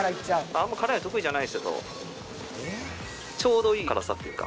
あんま辛いの得意じゃないですけどちょうどいい辛さっていうか。